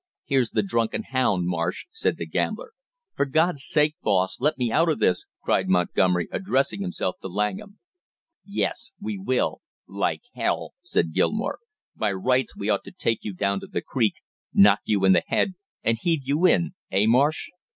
"Here's the drunken hound, Marsh!" said the gambler. "For God's sake, boss, let me out of this!" cried Montgomery, addressing himself to Langham. "Yes, we will like hell!" said Gilmore. "By rights we ought to take you down to the creek, knock you in the head and heave you in eh, Marsh?